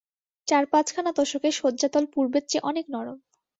চার-পাঁচখানা তোশকে শয্যাতল পূর্বের চেয়ে অনেক নরম।